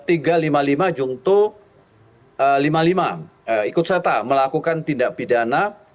ikut serta melakukan tindak pidana